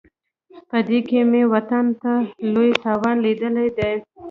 په دې کې مې وطن ته لوی تاوان لیدلی دی.